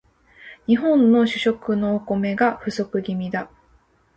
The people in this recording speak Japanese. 日本の主食のお米が不足気味だ